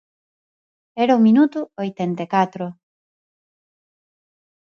Era o minuto oitenta e catro.